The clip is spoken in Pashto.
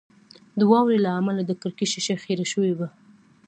د واورې له امله د کړکۍ شیشه خیره شوې وه